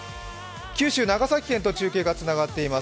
九州・長崎県と中継がつながっています。